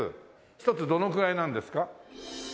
１つどのくらいなんですか？